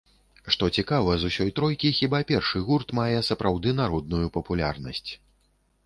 Што цікава, з усёй тройкі хіба першы гурт мае сапраўды народную папулярнасць.